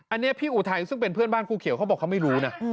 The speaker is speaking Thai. อันนี้พี่อุทัยซึ่งเป็นเพื่อนบ้านภูเขียวเขาบอกเขาไม่รู้นะ